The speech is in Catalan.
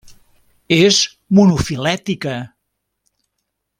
És monofilètica.